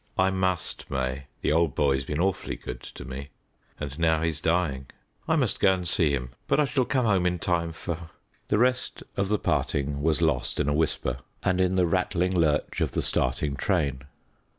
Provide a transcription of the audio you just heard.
"I must, May. The old boy's been awfully good to me, and now he's dying I must go and see him, but I shall come home in time for " the rest of the parting was lost in a whisper and in the rattling lurch of the starting train.